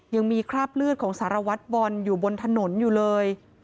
ยังมีคราบเลือดของสารวัตรบอลอยู่บนถนนอยู่เลย